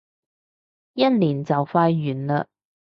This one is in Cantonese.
一年就快完嘞